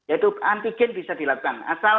antigen bisa dilakukan asal